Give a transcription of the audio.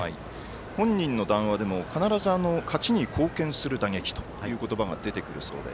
本人の談話でも必ず、勝ちに貢献する打撃という言葉が出てくるそうで。